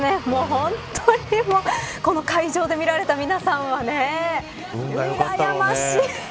本当にこの会場で見られた皆さんはうらやましい。